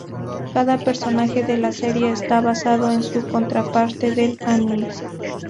Cada personaje de la serie está basado en su contraparte del anime.